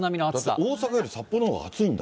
だって大阪より札幌のほうが暑いんだ。